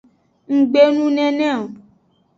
Nggbe nu nene o.